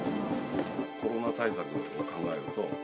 コロナ対策を考えると。